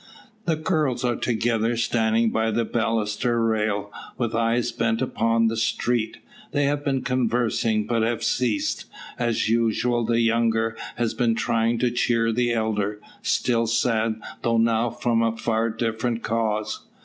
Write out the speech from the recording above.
The girls are together, standing by the baluster rail, with eyes bent upon the street. They have been conversing, but have ceased. As usual, the younger has been trying to cheer the elder, still sad, though now from a far different cause.